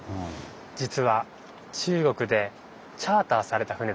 実は中国でチャーターされた船だったんです。